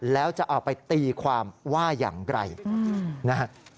แล้วจะเอาไปตีความว่าอย่างไรนะฮะ